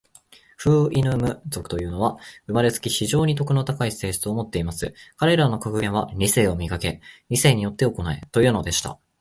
フウイヌム族というのは、生れつき、非常に徳の高い性質を持っています。彼等の格言は、『理性を磨け。理性によって行え。』というのでした。